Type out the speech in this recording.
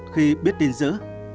khi biết tin dữ